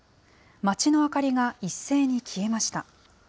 街の明かりが一斉に消えました。